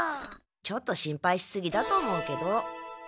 ちょっと心配しすぎだと思うけど。